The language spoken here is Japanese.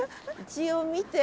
一応見て。